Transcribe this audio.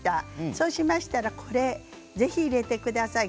そうしたら、これぜひ入れてください。